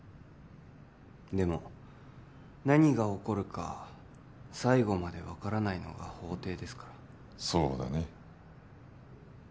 でも何が起こるか最後まで分からないのが法廷ですからそうだね